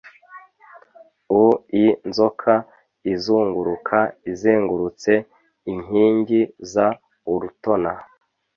uInzoka izunguruka Izengurutse inkingi za Urutona,